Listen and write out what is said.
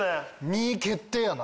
２決定やな。